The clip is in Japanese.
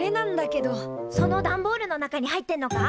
その段ボールの中に入ってんのか？